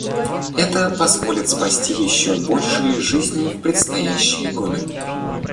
Это позволит спасти еще больше жизней в предстоящие годы.